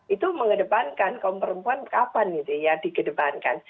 itu mengedepankan kaum perempuan kapan gitu ya dikedepankan